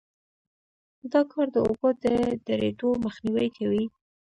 دا کار د اوبو د درېدو مخنیوی کوي